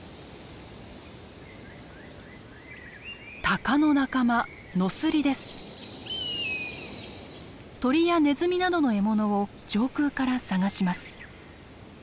タカの仲間鳥やネズミなどの獲物を上空から探します。